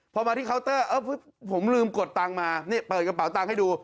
พอมาที่เคาน์เตอร์ผมลืมกดตังค์มานี่เปิดกระเป๋าตังค์ให้ดู